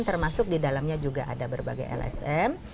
termasuk di dalamnya juga ada berbagai lsm